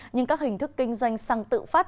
nhưng các hình thức kinh doanh xăng tự phát